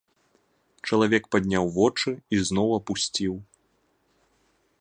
Чалавек падняў вочы і зноў апусціў.